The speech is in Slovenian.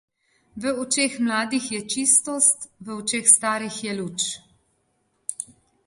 V očeh mladih je čistost, v očeh starih je luč.